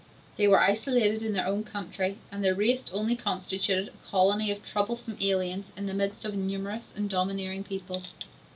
They were isolated in their own country, and their race only constituted a colony of troublesome aliens in the midst of a numerous and domineering people.